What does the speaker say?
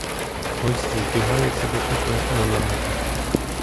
Ось збігаються докупи на нараду.